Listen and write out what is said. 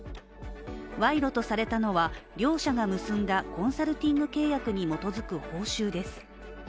賄賂とされたのは、両者が結んだコンサルティング契約に基づく報酬です。